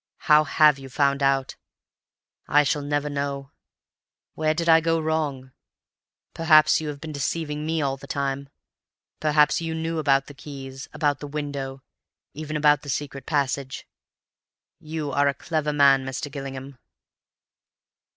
How have you found out? I shall never know now. Where did I go wrong? Perhaps you have been deceiving me all the time. Perhaps you knew about the keys, about the window, even about the secret passage. You are a clever man, Mr. Gillingham.